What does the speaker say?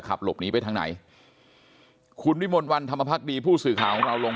ขับหลบหนีไปทางไหนคุณวิมลวันธรรมพักดีผู้สื่อข่าวของเราลง